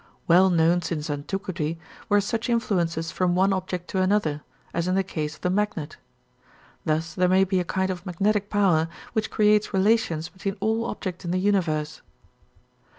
Well known since antiquity were such influences from one object to another, as in the case of the magnet. Thus there may be a kind of magnetic power which creates relations between all objects in the universe.